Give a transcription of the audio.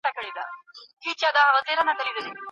موږ باید له اوسنیو امکاناتو ګټه پورته کړو.